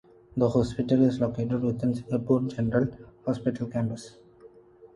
The hospital is located within the Singapore General Hospital campus.